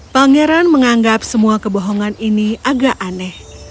pangeran menganggap semua kebohongan ini agak aneh